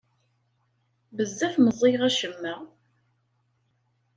Bezzaf meẓẓiyeɣ acemma.